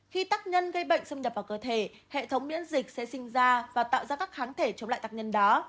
khi tắc nhân gây bệnh xâm nhập vào cơ thể hệ thống miễn dịch sẽ sinh ra và tạo ra các kháng thể chống lại tác nhân đó